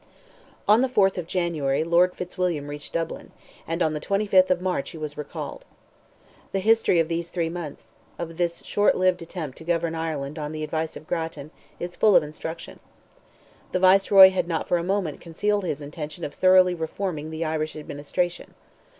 On the 4th of January, Lord Fitzwilliam reached Dublin; and on the 25th of March he was recalled. The history of these three months—of this short lived attempt to govern Ireland on the advice of Grattan—is full of instruction. The Viceroy had not for a moment concealed his intention of thoroughly reforming the Irish administration.